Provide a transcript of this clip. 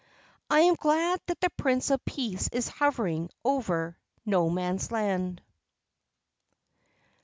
I am glad that the Prince of Peace is hovering over No Man's Land.